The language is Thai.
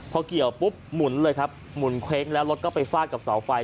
พอเกี่ยวปุ๊บหมุนเลยครับหมุนเว้งแล้วรถก็ไปฟาดกับเสาไฟ